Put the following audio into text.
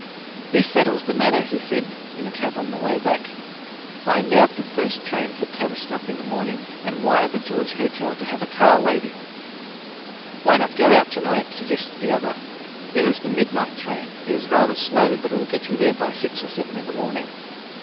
"This settles the matter," he said, in the cab on the way back. "Find out the first train for Tavistock in the morning and wire the George Hotel to have a car waiting." "Why not go to night?" suggested the other. "There is the midnight train. It is rather slow, but it will get you there by six or seven in the morning."